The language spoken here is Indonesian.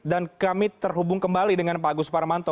dan kami terhubung kembali dengan pak agus paramanto